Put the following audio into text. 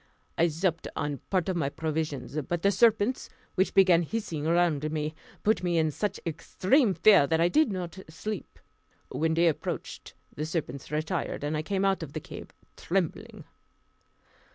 I supped on part of my provisions, but the serpents, which began hissing round me, put me into such extreme fear that I did not sleep. When day appeared the serpents retired, and I came out of the cave trembling.